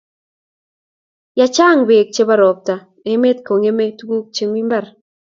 ya chang bek chebo robta emet kongeme tunguk chemi mbar